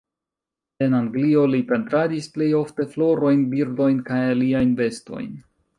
En Anglio li pentradis plej ofte florojn, birdojn kaj aliajn bestojn.